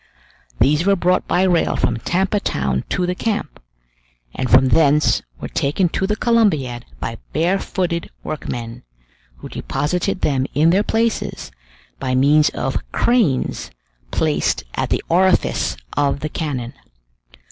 These were brought by rail from Tampa Town to the camp, and from thence were taken to the Columbiad by barefooted workmen, who deposited them in their places by means of cranes placed at the orifice of the cannon.